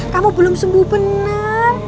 kamu belum sembuh benar